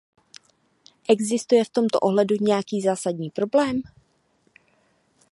Existuje v tomto ohledu nějaký zásadní problém?